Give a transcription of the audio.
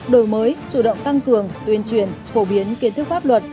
đổi mới chủ động tăng cường tuyên truyền phổ biến kiến thức pháp luật